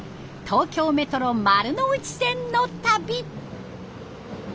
東京メトロ丸ノ内線の旅。